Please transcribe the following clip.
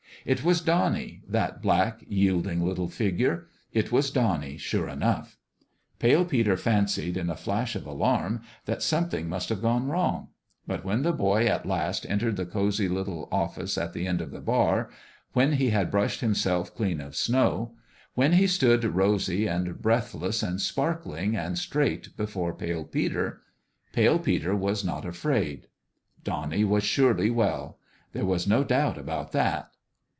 It was Donnie that black, yielding little figure. It was Donnie, sure enough ! Pale Peter fancied, in a flash of alarm, that something must have gone wrong ; but when the boy at last entered the cozy little office at the end of the bar when he had brushed himself clean of snow when he stood rosy and breathless and sparkling and straight before Pale Peter Pale Peter was not afraid. Donnie was surely well. There was no doubt about that